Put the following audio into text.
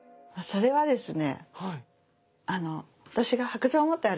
それはですね